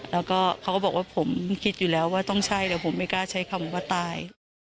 แล้วก็เขาก็บอกว่าผมคิดอยู่แล้วว่าต้องใช่แต่ผมไม่กล้าใช้คำว่าตาย